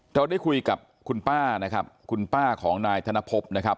เราได้คุยกับคุณป้านะครับคุณป้าของนายธนพบนะครับ